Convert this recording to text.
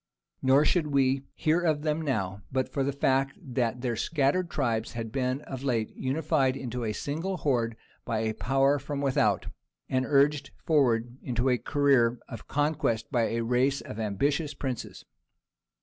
Nor should we hear of them now, but for the fact that their scattered tribes had been of late unified into a single horde by a power from without, and urged forward into a career of conquest by a race of ambitious princes.